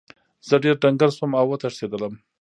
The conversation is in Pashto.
زه ډیر ډنګر شوم او وتښتیدم.